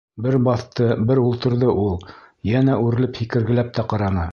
Бер баҫты, бер ултырҙы ул. Йәнә үрелеп һикергеләп тә ҡараны.